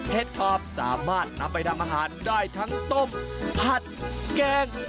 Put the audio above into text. ขอบสามารถนำไปทำอาหารได้ทั้งต้มผัดแกง